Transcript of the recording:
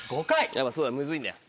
やっぱそうだムズいんだよ。